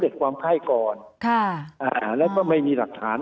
ความไข้ก่อนแล้วก็ไม่มีหลักฐาน